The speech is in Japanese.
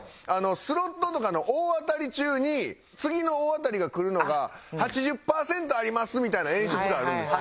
スロットとかの大当たり中に次の大当たりがくるのが８０％ありますみたいな演出があるんです。